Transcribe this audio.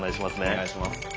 お願いします。